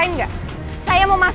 itu kan adanya mbak andin